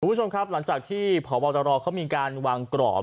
ผู้ชมครับหลังจากที่ผอวาวตะรอเขามีการวางกรอบ